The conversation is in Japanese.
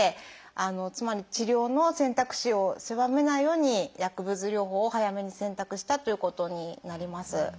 つまり治療の選択肢を狭めないように薬物療法を早めに選択したということになります。